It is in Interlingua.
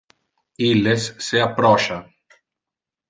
Illes se approcha.